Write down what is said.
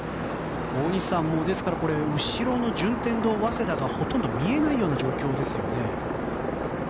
大西さん、後ろの順天堂、早稲田がほとんど見えない状況ですよね。